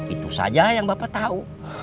itu saja yang bapak tahu